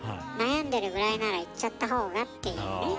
悩んでるぐらいなら言っちゃった方がっていうね。